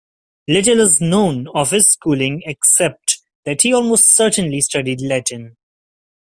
Little is known of his schooling except that he almost certainly studied Latin.